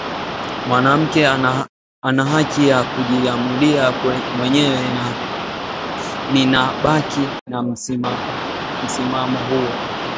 mwanamke anahaki ya kujiamulia mwenyewe na nina baki na msimamo huo